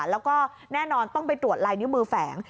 แล้วก็แน่นอนต้องไปตรวจลายนิ้วมือแฝง